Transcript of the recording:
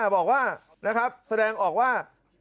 บอกว่าแสดงออกว่า